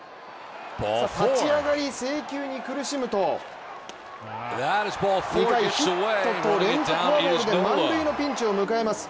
立ち上がり、制球に苦しむと２回、ヒットと連続フォアボールで満塁のピンチを迎えます。